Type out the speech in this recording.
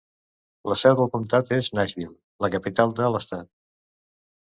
La Seu de comtat és Nashville, la capital de l'estat.